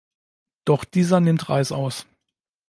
Doch dieser nimmt Reißaus.